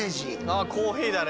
あコーヒーだね。